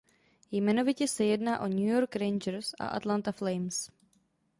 Jmenovitě se jedná o New York Rangers a Atlanta Flames.